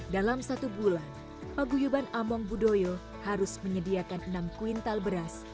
dalam satu bulan paguyuban among budoyo harus menyediakan enam kuintal beras